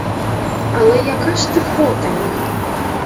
Але яка ж ти потайна!